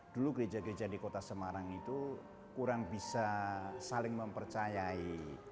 dulu gereja gereja di kota semarang itu kurang bisa saling mempercayai